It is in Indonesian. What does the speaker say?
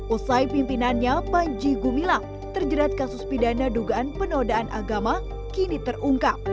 usai pimpinannya panji gumilang terjerat kasus pidana dugaan penodaan agama kini terungkap